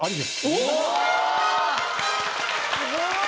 すごい。